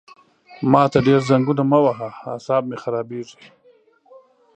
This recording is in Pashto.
ما ته ډېر زنګونه مه وهه عصاب مې خرابېږي!